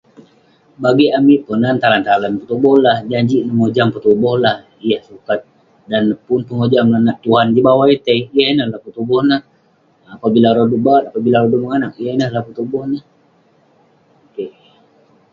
Bagik amik Ponan, talan-talan petuboh lah. Jajik mojam petuboh lah, yah sukat. Dan pun pengojam nonak Tuan jin bawai itei, yah ineh lah petuboh neh. Pabila rodu baat, pabila rodu menganak, yah ineh lah petuboh neh. Keh.